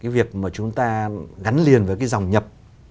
việc mà chúng ta gắn liền với cái dòng nhập